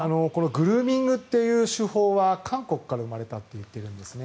グルーミングという手法は韓国から生まれたといっているんですね。